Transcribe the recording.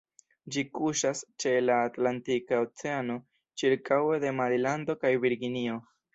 Ĝi kuŝas ĉe la Atlantika Oceano, ĉirkaŭe de Marilando kaj Virginio.